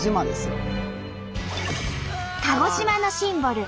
鹿児島のシンボル